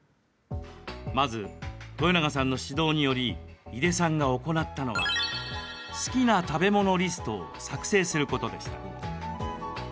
まず、豊永さんの指導により井出さんが行ったのは好きな食べ物リストを作成することでした。